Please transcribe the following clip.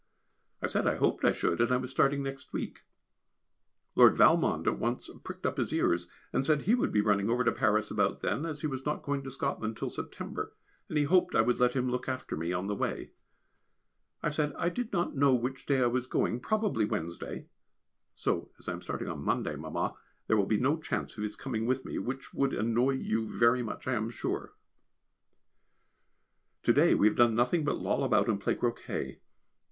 I said I hoped I should, and I was starting next week. Lord Valmond at once pricked up his ears, and said he would be running over to Paris about then, as he was not going to Scotland till September, and he hoped I would let him look after me on the way. I said I did not know which day I was going, probably Wednesday, so as I am starting on Monday, Mamma, there will be no chance of his coming with me, which would annoy you very much I am sure. To day we have done nothing but loll about and play croquet.